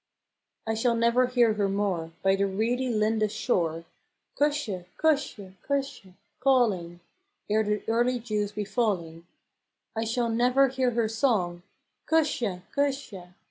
I shall never hear her more By the reedy Lindis shore, " Cusha, Cusha, Cusha! " calling, Ere the early dews be falling; I shall never hear her song, " Cusha, Cusha